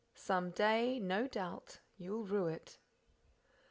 Some day, no doubt, you'll rue it!"